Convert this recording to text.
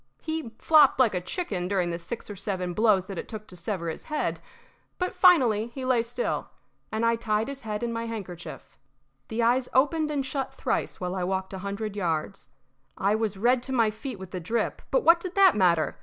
He flopped like a chicken during the six or seven blows that it took to sever his head; but finally he lay still, and I tied his head in my handkerchief. The eyes opened and shut thrice while I walked a hundred yards. I was red to my feet with the drip, but what did that matter?